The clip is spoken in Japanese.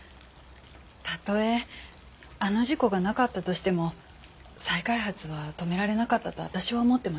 たとえあの事故がなかったとしても再開発は止められなかったと私は思ってます。